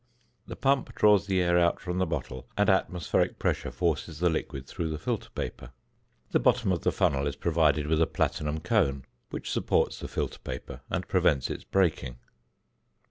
The pump draws the air out from the bottle, and atmospheric pressure forces the liquid through the filter paper. The bottom of the funnel is provided with a platinum cone, which supports the filter paper, and prevents its breaking.